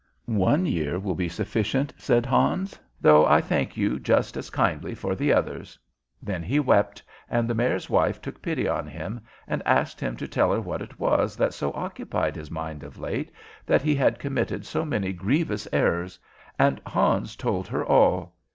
"One year will be sufficient," said Hans. "Though I thank you just as kindly for the others." Then he wept, and the Mayor's wife took pity on him, and asked him to tell her what it was that had so occupied his mind of late that he had committed so many grievous errors, and Hans told her all.